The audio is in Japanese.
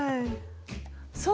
そう！